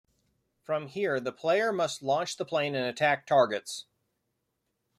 From here the player must launch the plane and attack targets.